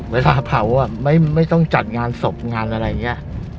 เวลาเผาไม่ต้องจัดงานศพงานอะไรอย่างนี้